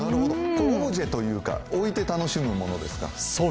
オブジェというか置いて楽しむものですか。